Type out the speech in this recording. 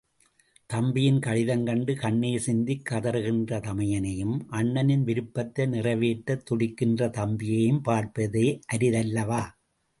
தம்பியின் கடிதம் கண்டு கண்ணீர் சிந்திக் கதறுகின்ற தமையனையும், அண்ணனின் விருப்பத்தை நிறைவேற்றத் துடிக்கின்ற தம்பியையும் பார்ப்பதே அரிதல்லவா?